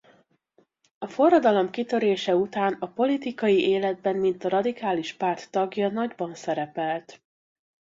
A forradalom kitörése után a politikai életben mint a radikális párt tagja nagyban szerepelt.